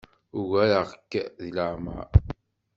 Ugareɣ-k deg leɛmeṛ.